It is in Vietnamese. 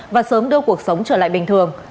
và sớm đưa cuộc sống trở lại bình thường